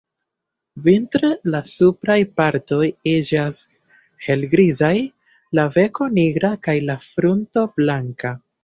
Vintre la supraj partoj iĝas helgrizaj, la beko nigra kaj la frunto blanka.